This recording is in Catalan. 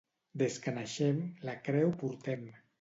Des que naixem, la creu portem.